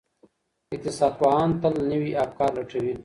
اقتصاد پوهان تل نوي افکار لټوي.